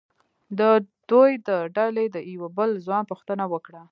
د دوی د ډلې د یوه بل ځوان پوښتنه وکړه.